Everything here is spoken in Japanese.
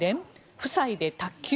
夫妻で卓球？